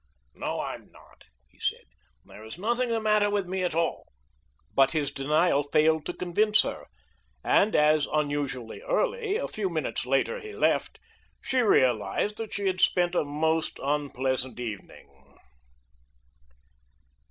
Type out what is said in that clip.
"No, I'm not," he said. "There is nothing the matter with me at all." But his denial failed to convince her, and as, unusually early, a few minutes later he left, she realized that she had spent a most unpleasant evening.